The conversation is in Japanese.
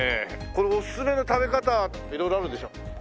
これおすすめの食べ方色々あるんでしょ？